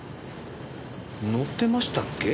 乗ってましたっけ？